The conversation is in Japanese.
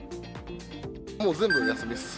もう、全部休みです。